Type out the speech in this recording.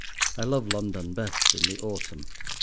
I love London best in the autumn.